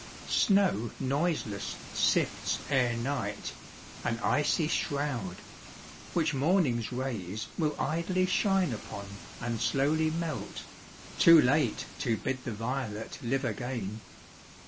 Snow noiseless sifts Ere night, an icy shroud, which morning's rays Willidly shine upon and slowly melt, Too late to bid the violet live again.